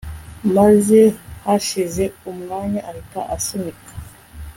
maze hashize umwanya ahita asunika